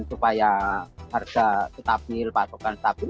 supaya harga stabil pasokan stabil